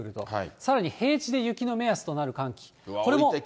さらに平地で雪の目安となる寒気、これも。